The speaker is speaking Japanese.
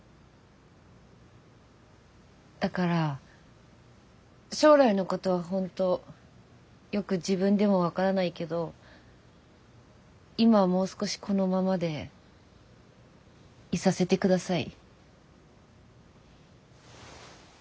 だから将来のことは本当よく自分でも分からないけど今はもう少しこのままでいさせて下さい。